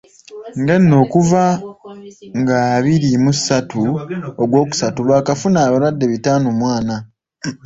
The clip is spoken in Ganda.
Ng'eno okuva nga abiri mu ssatu, ogwokusatu baakafuna abalwadde bitaano mu ana.